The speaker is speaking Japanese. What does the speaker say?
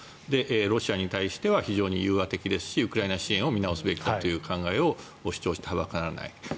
ロシアに対しては融和的ですしウクライナ支援を見直すべきだという主張をしてはばからない。